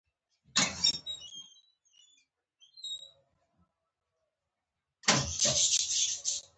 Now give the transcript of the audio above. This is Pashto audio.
دا کړنې يې په ناغوښتل شوې توګه د بدلون لامل کېږي.